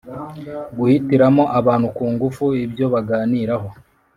guhitiramo abantu ku ngufu ibyo baganiraho,